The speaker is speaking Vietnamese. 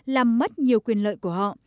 làm mất nhiều quyền lợi của họ